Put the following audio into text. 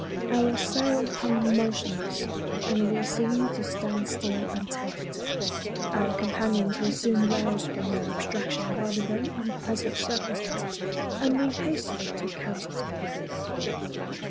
Our sail hung motionless, and we seemed to stand still and take it. Our companions were soon roused from their abstraction by the very unpleasant circumstances, and we hastily took counsel together.